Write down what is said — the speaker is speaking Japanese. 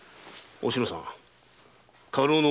お篠さん。